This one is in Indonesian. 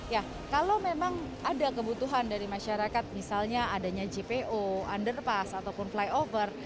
ya kalau memang ada kebutuhan dari masyarakat misalnya adanya jpo underpass ataupun flyover